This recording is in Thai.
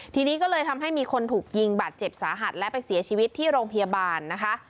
ทีนี้ก็เลยทำให้มีคนถูกยิงบาดเจ็บสาหัสและไปเสียชีวิตที่โรงพยาบาลนะคะ